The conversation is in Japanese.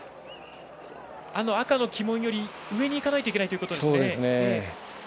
赤の旗門より上に行かないといけないということです。